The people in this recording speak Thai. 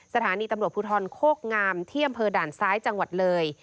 สถานีตำรวจภูทรโคกงามที่อำเภอด่านซ้ายจังหวัดเลย